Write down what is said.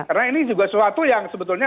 karena ini juga sesuatu yang sebetulnya